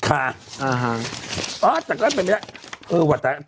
อ่ะแต่ก็เป็นแบบนี้เออว่ะแต่